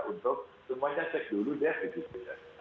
untuk semuanya cek dulu deh